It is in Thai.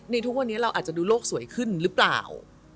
ทุกวันนี้เราอาจจะดูโลกสวยขึ้นหรือเปล่า